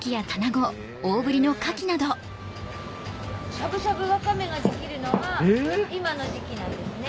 しゃぶしゃぶわかめができるのが今の時季なんですね。